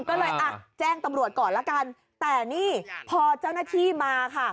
ก็เลยอ่ะแจ้งตำรวจก่อนละกันแต่นี่พอเจ้าหน้าที่มาค่ะ